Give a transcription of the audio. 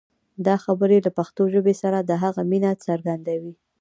دا خبرې له پښتو ژبې سره د هغه مینه څرګندوي.